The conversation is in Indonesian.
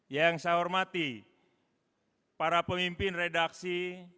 yang saya hormati para pemimpin redaksi